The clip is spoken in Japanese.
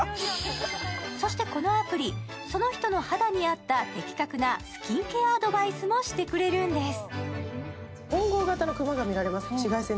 そしてこのアプリ、その人の肌に合った的確なスキンケアアドバイスもしてくれるんです。